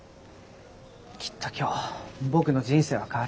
きっと今日僕の人生は変わる。